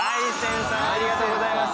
ありがとうございます！